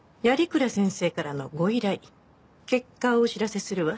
鑓鞍先生からのご依頼結果をお知らせするわ。